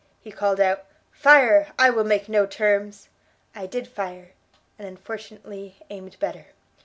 he called out 'Fire! I will make no terms,' I did fire, and unfortunately aimed better!